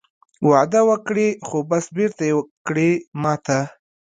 وعده وکړې خو بس بېرته یې کړې ماته